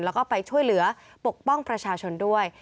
แล้วก็ไปช่วยเหลือปกป้องประชาชนด้วย